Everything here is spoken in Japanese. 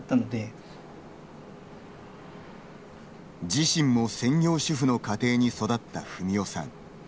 自身も専業主婦の家庭に育った文雄さん。